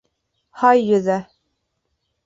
Һай йөҙә.